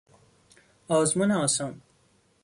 آزمون آسان